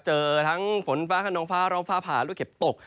เจอทั้งฝนฟ้าขนองฟ้าร้องฟ้าผ่าลูกเห็บตก